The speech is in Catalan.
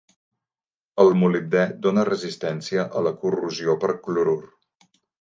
El molibdè dona resistència a la corrosió per clorur.